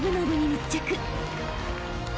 密着］